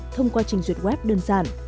thông qua trình duyệt web đơn giản